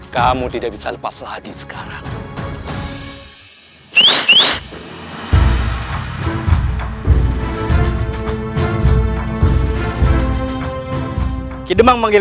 kamu tidak bisa lepas lagi sekarangtra enam itu mungkinkah itu